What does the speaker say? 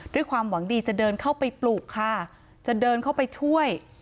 ด้วยความหวังดีจะเดินเข้าไปปลุกค่ะจะเดินเข้าไปช่วย